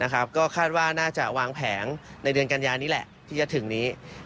ก็คาดว่าน่าจะวางแผงในเดือนกัญญานี้แหละที่จะถึงนี้